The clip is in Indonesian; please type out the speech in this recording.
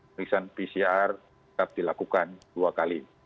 pemeriksaan pcr tetap dilakukan dua kali